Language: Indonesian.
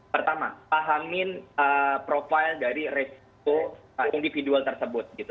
pertama pahamin profile dari resiko individual tersebut